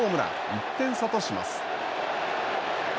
１点差とします。